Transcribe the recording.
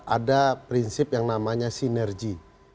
ada prinsip yang namanya sinergi